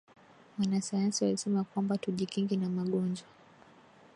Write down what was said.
Wanasayansi walisema kwamba tujikinge na magonjwa.